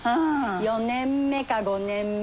４年目か５年目。